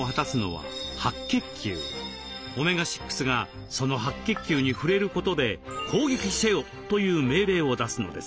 オメガ６がその白血球に触れることで「攻撃せよ」という命令を出すのです。